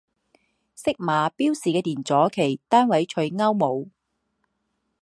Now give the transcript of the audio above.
色码标示的电阻其单位取欧姆。